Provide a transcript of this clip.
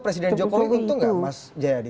presiden jokowi untung gak mas jayadi